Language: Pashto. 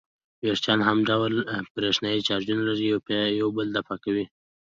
وېښتان همډوله برېښنايي چارج لري او یو بل دفع کوي.